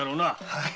はい。